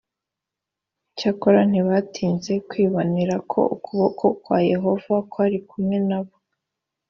icyakora ntibatinze kwibonera ko ukuboko kwa yehova kwari kumwe na bo